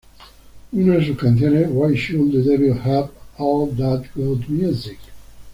Una de sus canciones, "Why Should the Devil Have All The Good Music?